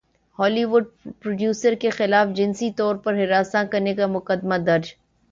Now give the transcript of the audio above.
Holi would producer کےخلاف جنسی طور پر ہراساں کرنے کا مقدمہ درج